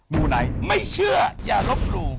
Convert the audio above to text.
มูไนท์ไม่เชื่ออย่าลบหลู่